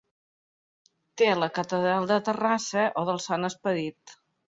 Té la Catedral de Terrassa o del Sant Esperit.